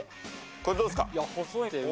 これ、どうですか？